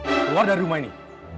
keluar dari rumah ini